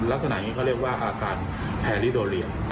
ลักษณะนี้เขาเรียกว่าอาการแฮริโดเรียม